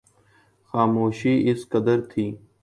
خاموشی اس قدر تھی